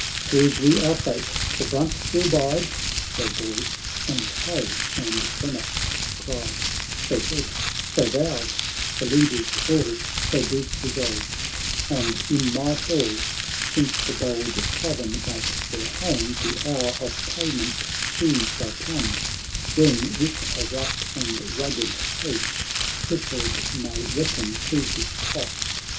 — "Prove we our fate — the brunt we'll bide !" So Boyd and Have and Lennox cried ; 80 said, so vowed, the leaders all; So Bruce resolved :" And in my hall, Since the bold Southern make their home, The hour of payment soon shall come, When, with a rough and rugged host, Clifford may reckon to his cost.